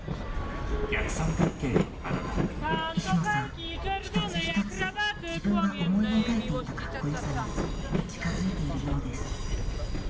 石野さん一つ一つ自分が思い描いていたカッコ良さに近づいているようです